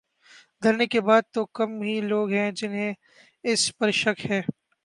دھرنے کے بعد تو کم ہی لوگ ہیں جنہیں اس پر شک ہے۔